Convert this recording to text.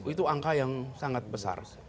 itu angka yang sangat besar